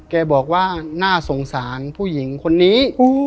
แกบอกว่าน่าสงสารผู้หญิงคนนี้